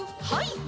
はい。